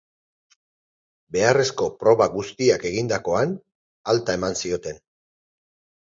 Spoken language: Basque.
Beharrezko proba guztiak egindakoan, alta eman zioten.